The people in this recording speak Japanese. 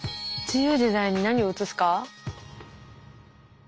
自由自在に何を移すか？